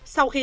sau khi đó